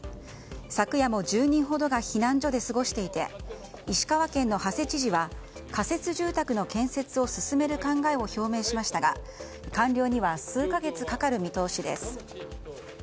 昨夜も１０人ほどが避難所で過ごしていて石川県の馳知事は仮設住宅の建設を進める考えを表明しましたが完了には数か月かかる見通しです。